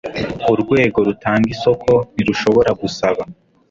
Urwego rutanga isoko ntirushobora gusaba